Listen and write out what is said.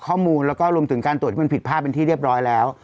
ข้อมูลแล้วก็รวมถึงการตรวจที่มันผิดภาพเป็นที่เรียบร้อยแล้ว